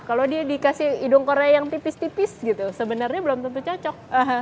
kalau dia dikasih hidung korea yang tipis tipis gitu sebenarnya belum tentu cocok